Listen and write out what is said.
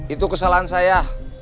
itu kesalahan saya